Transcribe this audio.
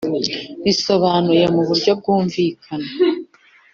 Bisobanuye mu buryo bwumvikana